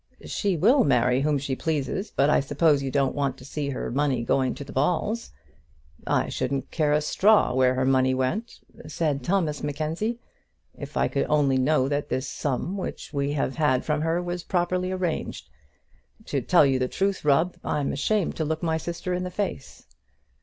"She will marry whom she pleases; but I suppose you don't want to see her money go to the Balls." "I shouldn't care a straw where her money went," said Thomas Mackenzie, "if I could only know that this sum which we have had from her was properly arranged. To tell you the truth, Rubb, I'm ashamed to look my sister in the face."